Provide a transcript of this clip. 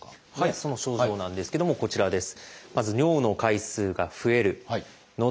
その症状なんですけどもこちらです。